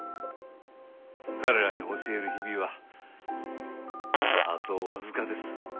彼らに教える日々はあと僅かです。